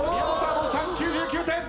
門さん９９点。